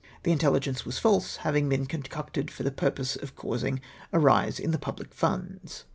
The inteUigence was false, havmg been concocted for the purpose of causing a rise m the public funds.